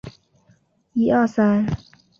雅布龙河畔蒙布谢尔人口变化图示